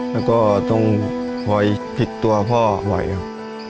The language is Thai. แล้วก็ต้องคอยผิดตัวพ่อบ่อยครับ